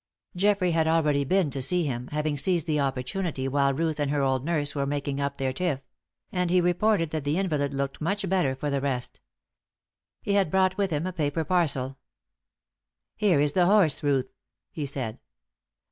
Geoffrey had already been to see him, having seized the opportunity while Ruth and her old nurse were making up their tiff; and he reported that the invalid looked much better for the rest. He had brought with him a paper parcel. "Here is the horse, Ruth," he said.